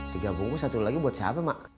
tiga bungku satu lagi buat siapa mak